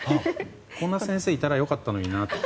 こんな先生いたら良かったのになって。